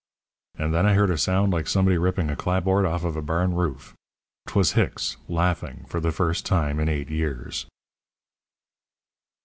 "And then I heard a sound like somebody ripping a clapboard off of a barn roof. 'Twas Hicks laughing for the first time in eight years."